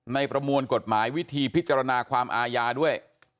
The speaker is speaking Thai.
ประมวลกฎหมายวิธีพิจารณาความอาญาด้วย